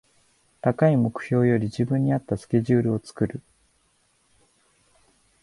高い目標より自分に合ったスケジュールを作る